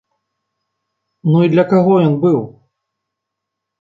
Ну і для каго ён быў?